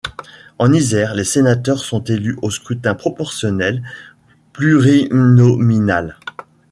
En Isère, les sénateurs sont élus au scrutin proportionnel plurinominal.